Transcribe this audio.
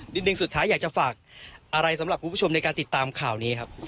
หนึ่งสุดท้ายอยากจะฝากอะไรสำหรับคุณผู้ชมในการติดตามข่าวนี้ครับ